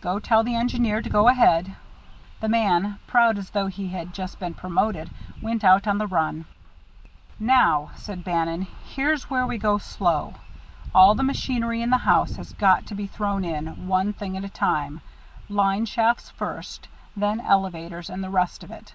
"Go tell the engineer to go ahead." The man, proud as though he had just been promoted, went out on the run. "Now," said Bannon, "here's where we go slow. All the machinery in the house has got to be thrown in, one thing at a time, line shafts first and then elevators and the rest of it.